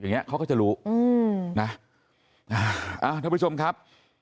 อย่างนี้เขาก็จะรู้นะท่านผู้ชมครับ